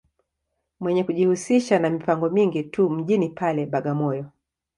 Mwenye kujihusisha ma mipango mingi tu mjini pale, Bagamoyo.